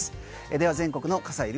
では全国の傘いる？